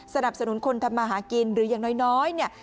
สนับสนุนคนทำมาหากินหรืออย่างน้อยเนี่ย